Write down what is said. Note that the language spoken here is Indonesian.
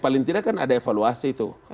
paling tidak kan ada evaluasi itu